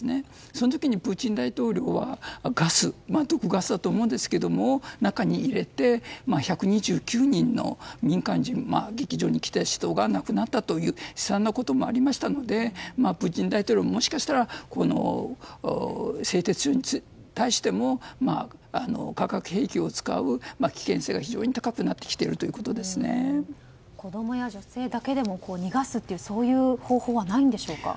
その時にプーチン大統領はガス、毒ガスだと思うんですがそれを中に入れて１２９人の民間人劇場に来ていた人が亡くなったという悲惨なこともありましたのでプーチン大統領ももしかしたら製鉄所に対しても化学兵器を使う危険性が非常に高くなってきている子供や女性だけでも逃がすという、そういう方法はないんでしょうか。